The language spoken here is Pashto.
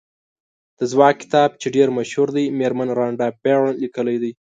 د ځواک کتاب چې ډېر مشهور دی مېرمن رانډا بېرن لیکلی دی.